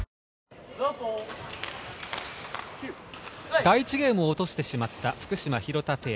第１ゲームを落としてしまった福島・廣田ペア。